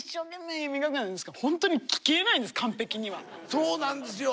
そうなんですよ！